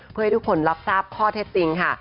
เพื่อให้ทุกคนรับทราบข้อเท็จจริงค่ะ